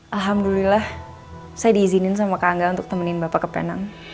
alhamdulillah saya diizinin sama kak angga untuk temenin bapak ke penang